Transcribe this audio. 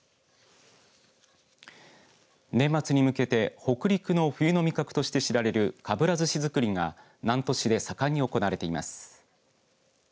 年末に向けて北陸の冬の味覚として知られるかぶらずし作りが南砺市で盛んに行われています。